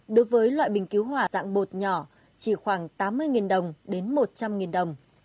các loại bình cứu hỏa dạng bột nhỏ chỉ khoảng tám mươi đồng đến một trăm linh đồng